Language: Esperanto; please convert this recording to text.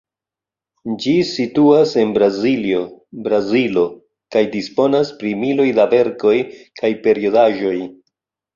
Ĝi situas en Braziljo, Brazilo, kaj disponas pri miloj da verkoj kaj periodaĵoj.